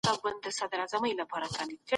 پانګه په معاصر اقتصاد کي ډیر ارزښت لري.